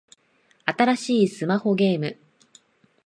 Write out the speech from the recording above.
新しいスマホゲーム